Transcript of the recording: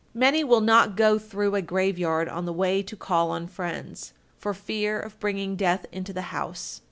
Many will not go through a graveyard on the way to call on friends, for fear of bringing death into the house.